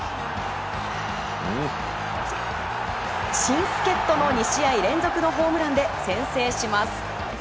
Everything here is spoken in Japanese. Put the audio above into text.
新助っ人の２試合連続のホームランで先制します。